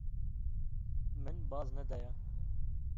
Min baz nedaye.